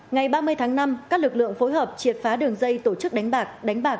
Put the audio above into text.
ngày ba mươi tháng năm các lực lượng phối hợp triệt phá đường dây tổ chức đánh bạc